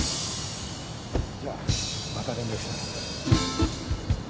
・じゃあまた連絡します。